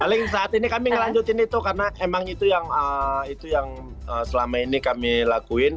paling saat ini kami ngelanjutin itu karena emang itu yang selama ini kami lakuin